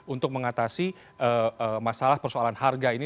untuk mengatasi masalah persoalan harga ini